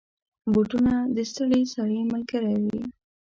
بوټونه د ستړي سړي ملګری وي.